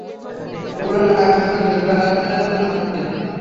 ওগুলোর লাগাম ছিল খেজুর গাছের ছালের তৈরি।